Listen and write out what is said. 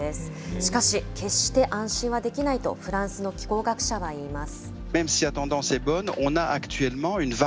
しかし、決して安心はできないとフランスの気候学者はいいます。